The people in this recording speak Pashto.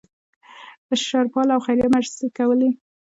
بشرپاله او خیریه مرستې کولې.